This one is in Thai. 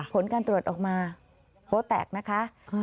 ผลการตรวจออกมาโป๊แตกนะคะ